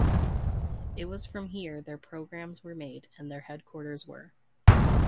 It was from here their programmes were made and their headquarters were.